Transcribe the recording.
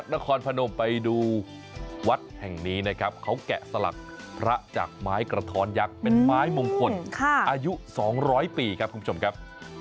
นครพนมไปดูวัดแห่งนี้นะครับเขาแกะสลักพระจากไม้กระท้อนยักษ์เป็นไม้มงคลอายุ๒๐๐ปีครับคุณผู้ชมครับ